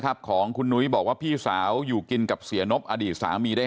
ของคุณนุ้ยบอกว่าพี่สาวอยู่กินกับเสียนบอดีตสามีได้